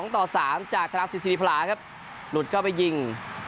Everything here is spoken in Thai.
ต่อ๓จากธนาศิษริพลาครับหลุดเข้าไปยิง